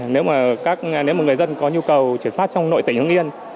nếu mà người dân có nhu cầu chuyển phát trong nội tỉnh hương yên